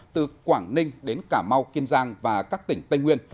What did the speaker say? từ quảng ninh đến cả mau kiên giang và các tỉnh tây nguyên